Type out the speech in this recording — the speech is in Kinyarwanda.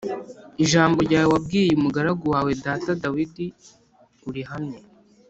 ijambo ryawe wabwiye umugaragu wawe data Dawidi urihamye